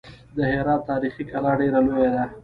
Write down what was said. د هرات تاریخي کلا ډېره لویه ده.